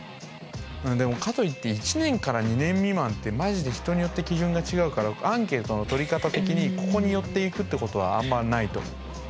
でもかといって１２年未満ってまじで人によって基準が違うからアンケートの取り方的にここに寄っていくってことはあんまないと思う。